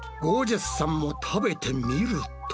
ジャスさんも食べてみると。